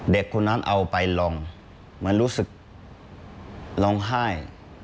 เด็กคนนั้นเอาไปลองเหมือนรู้สึกร้องไห้